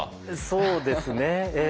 そうですねええ。